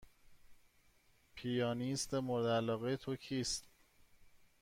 پیانیست مورد علاقه تو کیست؟